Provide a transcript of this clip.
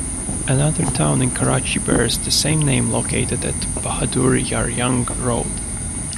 Another town in Karachi bears the same name, located at Bahadur Yar Jang Road.